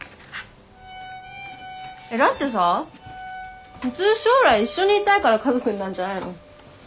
えっだってさ普通将来一緒にいたいから家族になるんじゃないの？